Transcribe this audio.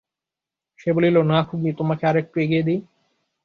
সে বলিল, না খুকি, তোমাকে আর একটু এগিয়ে দিই?